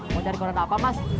mau cari barang apa mas